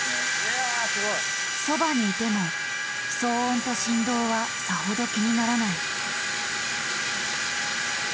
そばにいても騒音と振動はさほど気にならない。